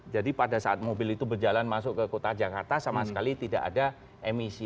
jadi pada saat mobil itu berjalan masuk ke kota jakarta sama sekali tidak ada emisi